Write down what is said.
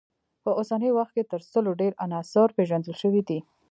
په اوسني وخت کې تر سلو ډیر عناصر پیژندل شوي دي.